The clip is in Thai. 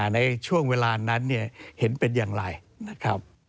ในช่วงเวลานั้นเนี่ยเห็นเป็นอย่างไรนะครับ